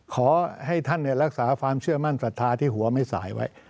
ขอให้ท่านรักษาความเชื่อมั่นศรัทธาที่หัวไม่สายไว้